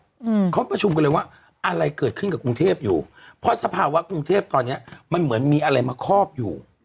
อืมเขาประชุมกันเลยว่าอะไรเกิดขึ้นกับกรุงเทพอยู่เพราะสภาวะกรุงเทพตอนเนี้ยมันเหมือนมีอะไรมาคอบอยู่